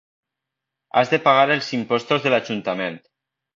Has de pagar els impostos de l'ajuntament.